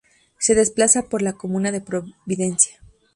Se desplaza por la comuna de Providencia.